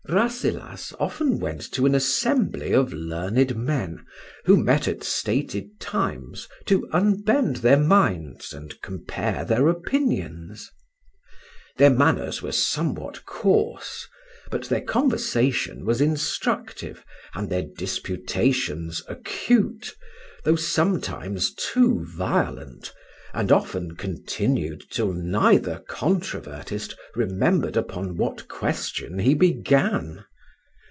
RASSELAS went often to an assembly of learned men, who met at stated times to unbend their minds and compare their opinions. Their manners were somewhat coarse, but their conversation was instructive, and their disputations acute, though sometimes too violent, and often continued till neither controvertist remembered upon what question he began.